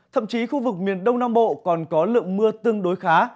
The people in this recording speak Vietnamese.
thậm chí khu vực miền đông nam bộ còn có lượng mưa tương đối khá